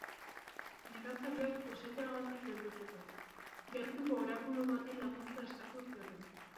Nekazariak, goseteagatik beldurtuta, gertuko orakulu bati laguntza eskatu zioten.